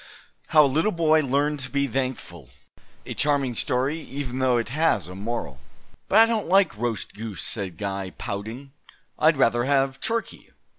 How a little boy learned to be thankful. A charming story even though it has a moral. "But I don't like roast goose," said Guy, pouting. "I'd rather have turkey.